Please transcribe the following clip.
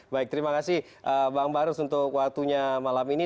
baik terima kasih bang barus untuk waktunya malam ini